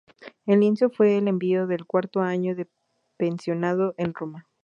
El lienzo fue el envío del cuarto año de pensionado en Roma.